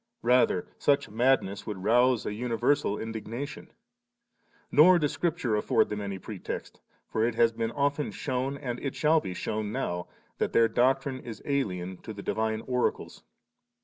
rather, such madness would rouse an universal indignation. Nor does Scripture afford them any pretext ; for it has been often shewn, and it shieill be shewn now, that their doctrine is alien to the divine oracles.